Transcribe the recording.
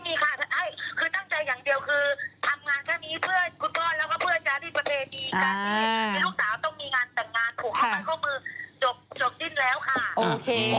ทำงานแค่มีเพื่อนคุณพลลแล้วก็เพื่อนจ๊ะมีประเทศดีกันนี้